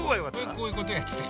こういうことやってたよ。